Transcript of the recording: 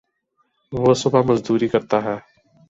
جو صبح مزدوری کرتا ہے